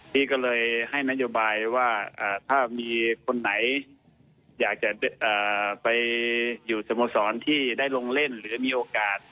พี่ก็เลยให้นโยบายว่าถ้ามีคนไหนอยากจะไปอยู่สโมสรที่ได้ลงเล่นหรือมีโอกาส